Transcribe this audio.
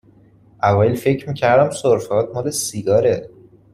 اوایل فکر می کردم سرفه هات مال سیگاره